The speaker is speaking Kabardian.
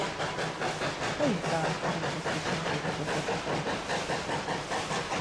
Пэж-тӏэ ахэр илъэсищэм щӏигъукӏэ зэрыпсэур?